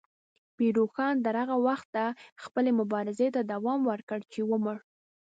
پیر روښان تر هغه وخته خپلې مبارزې ته دوام ورکړ چې ومړ.